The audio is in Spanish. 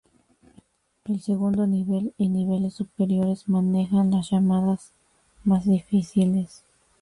El segundo nivel y niveles superiores manejan las llamadas más difíciles.